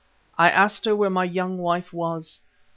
I asked her where my young wife was.